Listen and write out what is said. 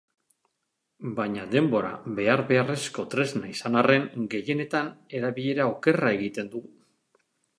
Baina denbora behar-beharrezko tresna izan arren, gehienetan erabilera okerra egiten dugu.